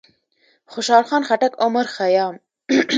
خوشحال خان خټک، عمر خيام،